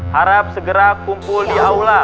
harap segera kumpul di aula